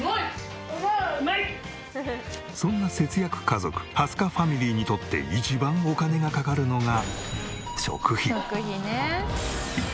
そんな節約家族蓮香ファミリーにとって一番お金がかかるのが食費。